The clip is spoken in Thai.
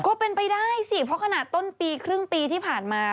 ก็เป็นไปได้สิเพราะขนาดต้นปีครึ่งปีที่ผ่านมา